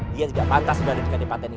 dia tidak pantas berada di kandepaten ini